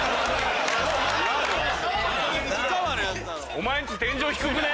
お前んち天井低くね？